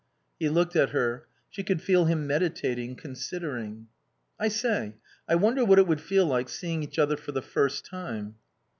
He looked at her. She could feel him meditating, considering. "I say, I wonder what it would feel like seeing each other for the first time."